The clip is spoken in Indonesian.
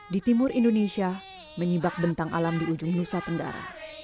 di timur indonesia menyibak bentang alam di ujung nusa tenggara